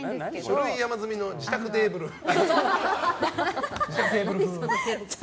書類山積みの自宅テーブル風。